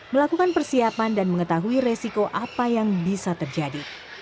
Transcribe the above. melakukan persiapan dan mengetahui resiko apa yang bisa terjadi